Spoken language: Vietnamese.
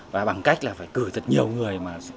và bằng cách là phải cử thật nhiều người mà